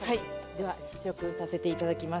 では試食させて頂きます。